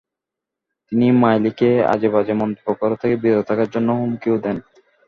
তিনি মাইলিকে আজেবাজে মন্তব্য করা থেকে বিরত থাকার জন্য হুমকিও দেন।